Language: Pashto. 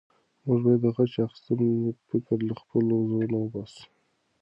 موږ باید د غچ اخیستنې فکر له خپلو زړونو وباسو.